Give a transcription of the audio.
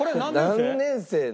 何年生の？